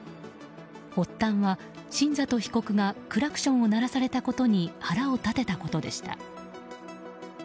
発端は新里被告がクラクションを鳴らされたことに腹を立てたことでした。